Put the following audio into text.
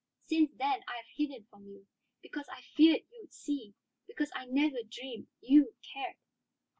Since then I have hidden from you because I feared you would see; because I never dreamed you cared."